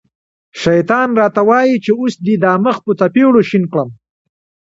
شیطان را ته وايي چې اوس دې دا مخ په څپېړو شین کړم.